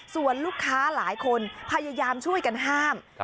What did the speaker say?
ส่วนลูกค้าหลายคนพยายามช่วยกันห้าม